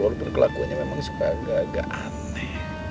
walaupun kelakunya memang suka agak agak aneh